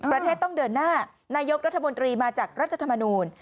ประเทศต้องเดินหน้านายกรัฐมนตรีมาจากรัฐธรรมนูล